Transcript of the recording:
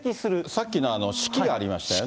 さっきの式がありましたよね。